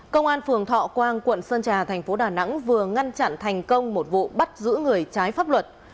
công an phường thọ quang quận sơn trà thành phố đà nẵng vừa ngăn chặn thành công một vụ bắt giữ người trái pháp luật